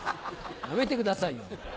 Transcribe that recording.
やめてくださいよ。